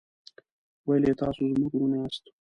ویل یې تاسو زموږ ورونه یاست.